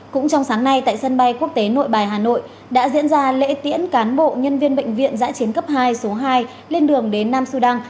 cũng trong sáng nay tại sân bay quốc tế nội bài hà nội đã diễn ra lễ tiễn cán bộ nhân viên bệnh viện giã chiến cấp hai số hai lên đường đến nam sudan